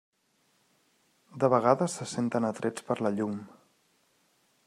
De vegades se senten atrets per la llum.